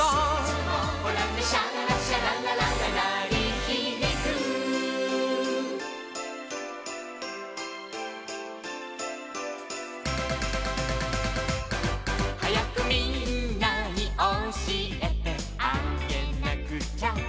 「ほらねシャララシャララララなりひびく」「はやくみんなにおしえてあげなくちゃ」